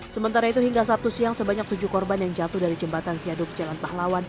sementara itu hingga sabtu siang sebanyak tujuh korban yang jatuh dari jembatan kiaduk jalan pahlawan